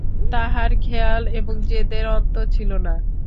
তাহার খেয়াল এবং জেদের অন্ত ছিল না।